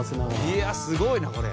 いやすごいねこれ。